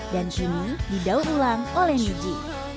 dan kini didaut ulang oleh niji